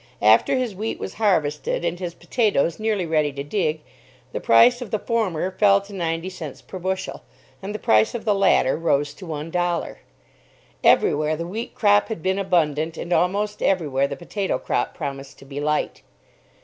After his wheat was harvested, and his potatoes nearly ready to dig, the price of the former fell to ninety cents per bushel, and the price of the latter rose to one dollar. Everywhere, the wheat crop had been abundant, and almost everywhere the potato crop promised to be light.